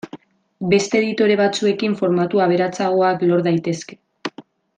Beste editore batzuekin formatu aberatsagoak lor daitezke.